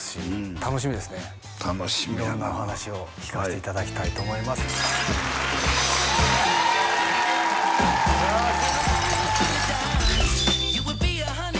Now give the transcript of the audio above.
楽しみやな色んなお話を聞かせていただきたいと思いますお願いします